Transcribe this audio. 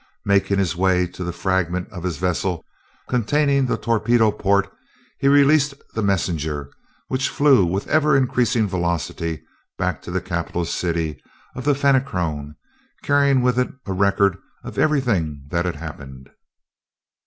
Making his way to the fragment of his vessel containing the torpedo port, he released the messenger, which flew, with ever increasing velocity, back to the capital city of the Fenachrone, carrying with it a record of everything that had happened.